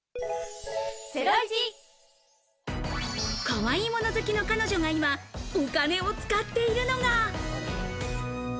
かわいいもの好きの彼女が今、お金を使っているのが。